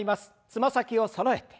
つま先をそろえて。